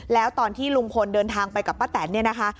แล้วตอนที่ลุงพลเดินทางไปกับป้าแตนเนี่ยนะคะ